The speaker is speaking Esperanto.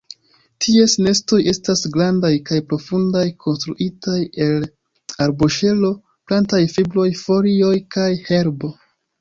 Ties nestoj estas grandaj kaj profundaj, konstruitaj el arboŝelo, plantaj fibroj, folioj kaj herbo.